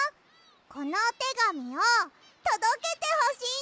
このおてがみをとどけてほしいの！